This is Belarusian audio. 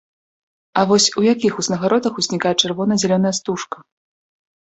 А вось у якіх узнагародах узнікае чырвона-зялёная стужка?